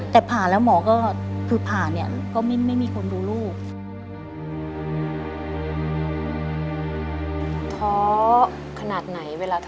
เทาะขนาดไหนเวลาเทาะ